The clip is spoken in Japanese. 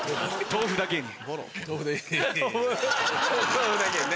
豆腐だけに。